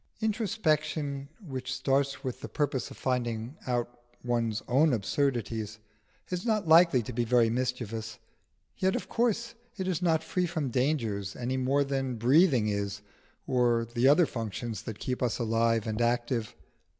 Introspection which starts with the purpose of finding out one's own absurdities is not likely to be very mischievous, yet of course it is not free from dangers any more than breathing is, or the other functions that keep us alive and active.